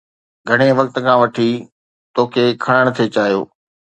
گهڻي وقت کان وٺي توکي کڻڻ ٿي چاهيو.